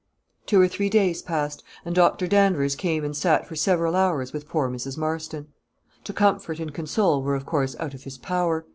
Two or three days passed, and Dr. Danvers came and sate for several hours with poor Mrs. Marston. To comfort and console were, of course, out of his power.